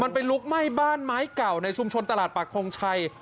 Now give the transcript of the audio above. มันไปลุกไหม้บ้านไม้เก่าในชุมชนตลาดปากทงชัย